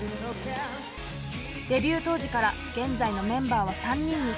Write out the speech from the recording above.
デビュー当時から現在のメンバーは３人に。